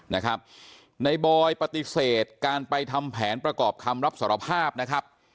ในบอยปฏิเสธการไปทำแผนประกอบคำรับสารภาพนะครับ